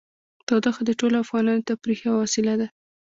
تودوخه د ټولو افغانانو د تفریح یوه وسیله ده.